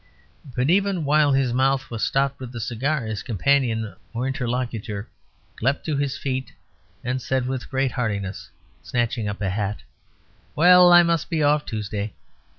But even while his mouth was stopped with the cigar his companion or interlocutor leaped to his feet and said with great heartiness, snatching up a hat, "Well, I must be off. Tuesday!".